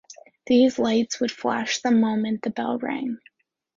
These lights would flash the moment the bell rang.